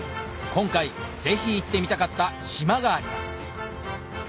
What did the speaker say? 今回ぜひ行ってみたかった島があります